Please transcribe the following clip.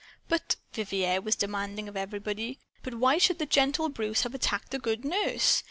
"But," Vivier was demanding of everybody, "but why should the gentle Bruce have attacked a good nurse?